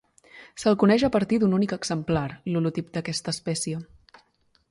Se'l coneix a partir d'un únic exemplar, l'holotip d'aquesta espècie.